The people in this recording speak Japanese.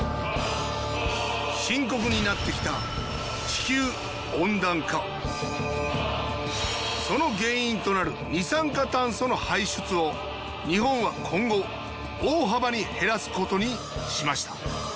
深刻になってきたその原因となる二酸化炭素の排出を日本は今後大幅に減らすことにしました。